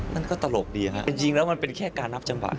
นั่นก็ตลกดีฮะเป็นจริงแล้วมันเป็นแค่การนับจังหวะ